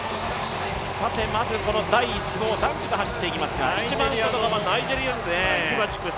さてまずこの第１走、男子が入ってきますが一番外側、ナイジェリアですね。